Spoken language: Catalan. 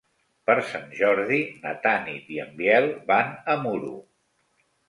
Per Sant Jordi na Tanit i en Biel van a Muro.